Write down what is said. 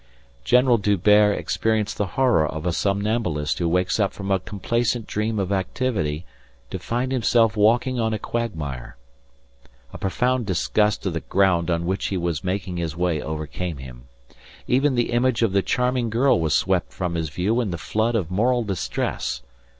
General D'Hubert experienced the horror of a somnambulist who wakes up from a complacent dream of activity to find himself walking on a quagmire. A profound disgust of the ground on which he was making his way overcame him. Even the image of the charming girl was swept from his view in the flood of moral distress.